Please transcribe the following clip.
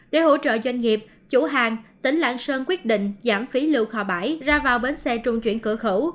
để hỗ trợ doanh nghiệp chủ hàng tỉnh lạng sơn quyết định giảm phí lưu kho bãi ra vào bến xe trung chuyển cửa khẩu